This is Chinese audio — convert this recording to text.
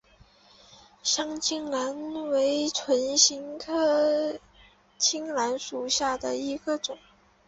香青兰为唇形科青兰属下的一个种。